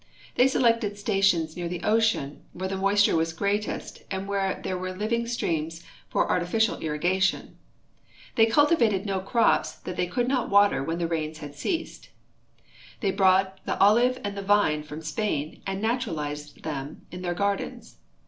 They selected stations near the ocean, ■ where the moisture was greatest and where there were living streams for artificial irrigation. They cultivated no crops that they could not water when the rains had ceased. They brought the olive and the vine from Spain and naturalized them in their gardens.